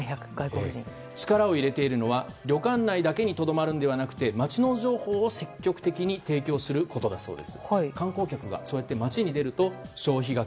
力を入れているのは旅館内だけにとどまるのだけではなく街の情報を積極的に提供することだそうです。